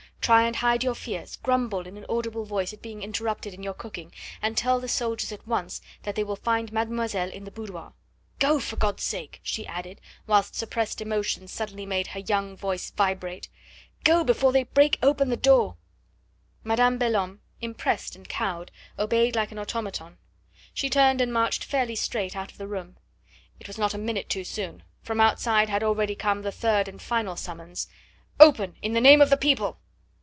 Try and hide your fears, grumble in an audible voice at being interrupted in your cooking, and tell the soldiers at once that they will find mademoiselle in the boudoir. Go, for God's sake!" she added, whilst suppressed emotion suddenly made her young voice vibrate; "go, before they break open that door!" Madame Belhomme, impressed and cowed, obeyed like an automaton. She turned and marched fairly straight out of the room. It was not a minute too soon. From outside had already come the third and final summons: "Open, in the name of the people!"